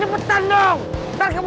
hypertukas grafik kok